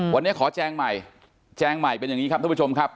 วันนี้ขอแจงใหม่แจงใหม่เป็นอย่างนี้ครับท่านผู้ชมครับ